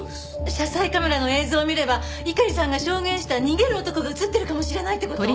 車載カメラの映像を見れば猪狩さんが証言した逃げる男が映ってるかもしれないって事？